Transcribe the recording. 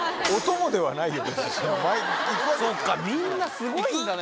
そっかみんなすごいんだね。